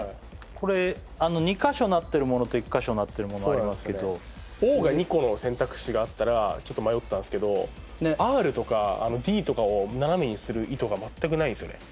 これ２カ所なってるものと１カ所なってるものありますけどＯが２個の選択肢があったらちょっと迷ったんですけどＲとかＤとかを斜めにする意図が全くないんですよね